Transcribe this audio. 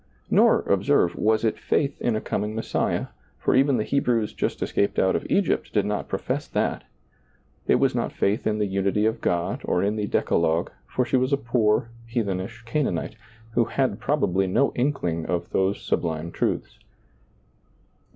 Nor, observe, was it faith in a coming Messiah, for even the Hebrews just escaped out of Egypt did not profess that ; it was not faith in the unity of God or in the Decalogue, for she was a poor, heathen ish Canaanite, who had probably no inkling of those sublime truths.